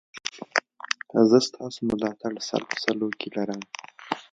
زه ستاسو ملاتړ سل په سلو کې لرم